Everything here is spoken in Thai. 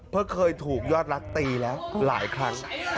เพราะเคยถูกยอดรักตีแล้วหลายครั้ง